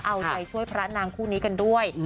เอาใจช่วยพระนางคู่นี้กันด้วย